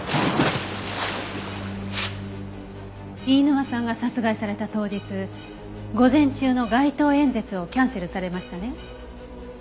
飯沼さんが殺害された当日午前中の街頭演説をキャンセルされましたね。